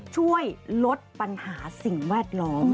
ช่วยลดปัญหาสิ่งแวดล้อม